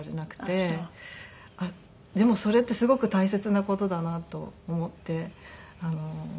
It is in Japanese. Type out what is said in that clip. でもそれってすごく大切な事だなと思って。